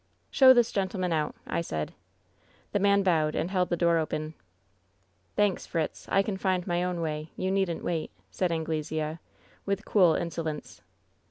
" 'Show this gentleman out,' I said. "The man bowed and held the door open. " 'Thanks, Fritz. I can find my own way. You needn't wait,' said Anglesea, with cool insolence.